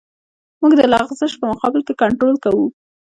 موږ د لغزش په مقابل کې کنټرول کوو